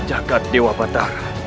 jagat dewa batara